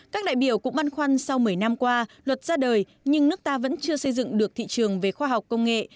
các đại biểu cũng băn khoăn sau một mươi năm qua luật ra đời nhưng nước ta vẫn chưa xây dựng được thị trường về khoa học công nghệ